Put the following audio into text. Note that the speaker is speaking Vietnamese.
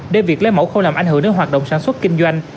để việc lấy mẫu không làm ảnh hưởng đến hoạt động sản xuất kinh doanh